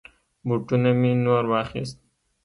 بوټونه می نور واخيست.